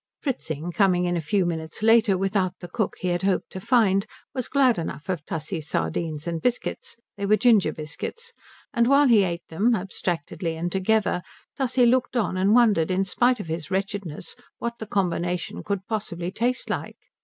Fritzing coming in a few minutes later without the cook he had hoped to find, was glad enough of Tussie's sardines and biscuits they were ginger biscuits and while he ate them, abstractedly and together, Tussie looked on and wondered in spite of his wretchedness what the combination could possibly taste like.